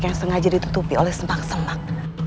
yang sengaja ditutupi oleh sembang sembang